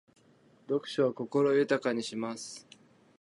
読書は心を豊かにします。